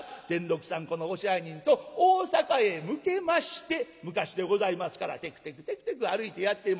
このお支配人と大坂へ向けまして昔でございますからてくてくてくてく歩いてやって参ります。